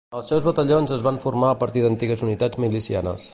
Els seus batallons es van formar a partir d'antigues unitats milicianes.